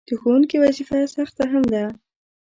د ښوونکي وظیفه سخته هم ده.